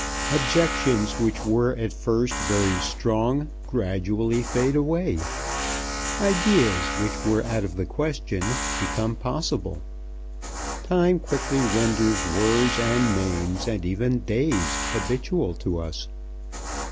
Objections which were at first very strong gradually fade away. Ideas which were out of the question become possible. Time quickly renders words and names and even days habitual to us.